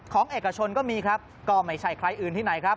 เอกชนก็มีครับก็ไม่ใช่ใครอื่นที่ไหนครับ